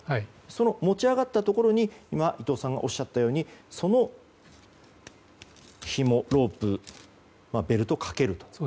その持ち上がったところに今、伊藤さんがおっしゃったようにそのひも、ロープベルトをかけると。